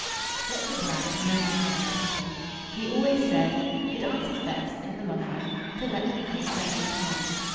Dr. Brand never hurried people, He always said: "It answers best, in the long run, to let them take their own time.